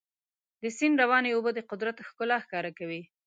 د سیند روانې اوبه د قدرت ښکلا ښکاره کوي.